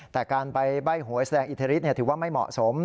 แต่การไปใบ้หวยแสดงอิทธิฤทธิถือว่าไม่เหมาะสม